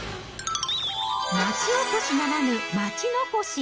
町おこしならぬ町残し！